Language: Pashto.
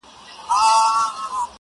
ښکلا د کال له ټولو جنجالونو راوتلې,